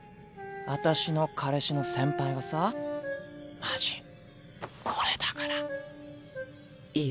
私の彼氏の先輩がさマジこれだから。